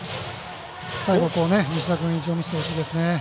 最後、西田君意地を見せてほしいです。